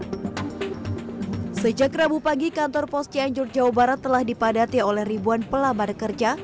hai sejak rabu pagi kantor pos cianjur jawa barat telah dipadati oleh ribuan pelamar kerja